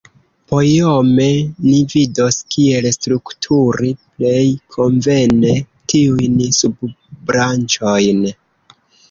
Poiome ni vidos, kiel strukturi plej konvene tiujn subbranĉojn.